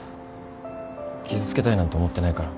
傷つけたいなんて思ってないから。